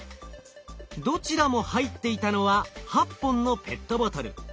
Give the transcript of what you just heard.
どちらも入っていたのは８本のペットボトル。